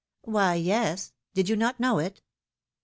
Why, yes ! Did you not know it?"